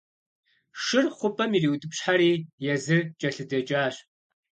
Шыр хъупӀэм ириутӀыпщхьэри, езыр кӀэлъыдэкӀащ.